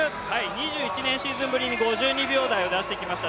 ２１年シーズンぶりに５２秒台を出してきました。